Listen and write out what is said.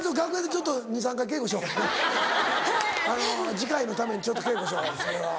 次回のために稽古しようそれは。